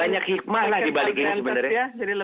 banyak hikmah lah dibalik ini sebenarnya